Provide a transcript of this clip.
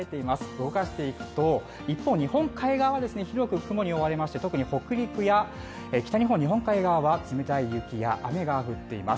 動かしていくと一方、日本海側は広く雲に覆われまして特に北陸や北日本、日本海側は冷たい雪や雨が降っています。